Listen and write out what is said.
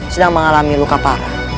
sedang mengalami luka parah